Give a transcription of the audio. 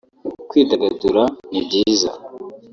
Kwidagadura ni byiza